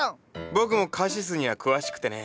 僕もカシスには詳しくてね。